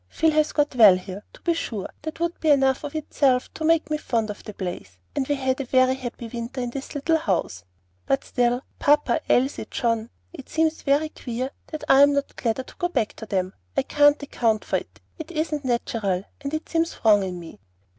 "Phil has got well here, to be sure; that would be enough of itself to make me fond of the place, and we have had a happy winter in this little house. But still, papa, Elsie, John, it seems very queer that I am not gladder to go back to them. I can't account for it. It isn't natural, and it seems wrong in me."